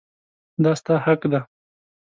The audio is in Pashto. دا ستا حق دی.